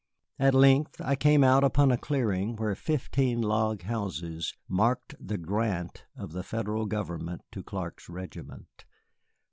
At length I came out upon a clearing where fifteen log houses marked the grant of the Federal government to Clark's regiment.